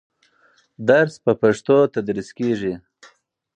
درس په پښتو تدریس کېږي.